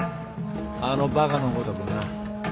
あのバカのごとくな。